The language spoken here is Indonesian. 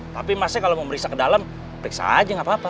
tapi masnya kalau mau meriksa ke dalem periksa aja gapapa